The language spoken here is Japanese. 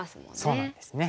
そうなんですね。